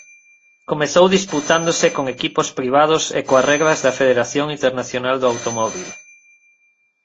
Comezou disputándose con equipos privados e coas regras da Federación Internacional do Automóbil.